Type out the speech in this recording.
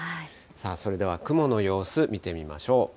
それでは雲の様子見てみましょう。